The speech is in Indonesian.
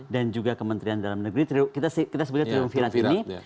dan juga kementerian dalam negeri kita sebutnya triumvirat ini